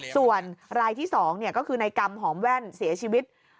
ส่วนรายที่๒ก็คือในกรรมหอมแว่นเสียชีวิต